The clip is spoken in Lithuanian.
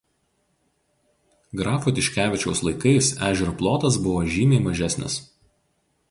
Grafo Tiškevičiaus laikais ežero plotas buvo žymiai mažesnis.